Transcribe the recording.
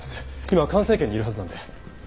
今環生研にいるはずなんで。